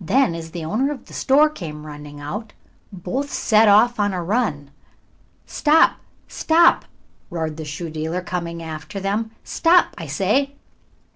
Then, as the owner of the shoe store came running out, both set off on a run. "Stop! stop!" roared the shoe dealer, coming after them. "Stop, I say!"